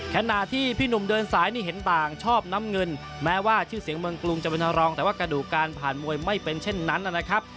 ขณะที่พี่หนุ่มเดินสายนี่เห็นต่างชอบน้ำเงินแม้ว่าชื่อเสียงเมืองกรุงจะเป็นรองแต่ว่ากระดูกการผ่านมวยไม่เป็นเช่นนั้นนะครับ